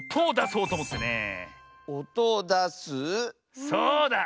そうだ！